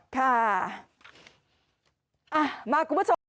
ค่ะมาคุณผู้ชม